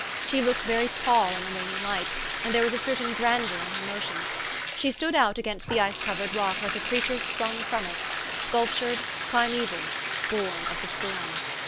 She looked very tall in the waning light, and there was a certain grandeur in her motions. She stood out against the ice covered rock like a creature sprung from it, sculptured, primeval, born of the storm.